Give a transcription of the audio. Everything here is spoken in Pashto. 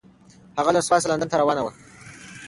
هغه له سوات څخه لندن ته روانه وه.